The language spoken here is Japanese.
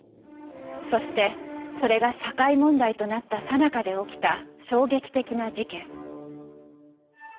そしてそれが社会問題となったさなかで起きた衝撃的な事件。